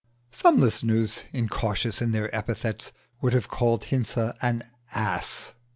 Some listeners incautious in their epithets would have called Hinze an "ass."